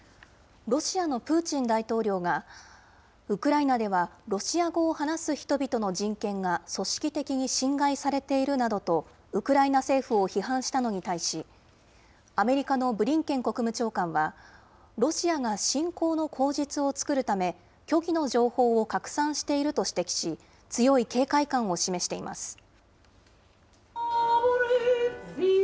ロシアのプーチン大統領が、ウクライナではロシア語を話す人々の人権が組織的に侵害されているなどと、ウクライナ政府を批判したのに対し、アメリカのブリンケン国務長官は、ロシアが侵攻の口実を作るため、虚偽の情報を拡散していると指摘し、強い警戒感を示しています。